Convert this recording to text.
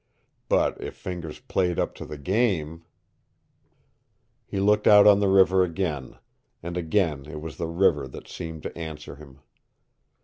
But if Fingers played up to the game He looked out on the river again, and again it was the river that seemed to answer him.